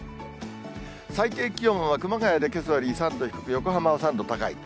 最低気温は熊谷でけさより３度低く、横浜は３度高い。